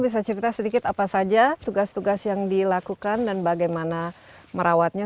bisa cerita sedikit apa saja tugas tugas yang dilakukan dan bagaimana merawatnya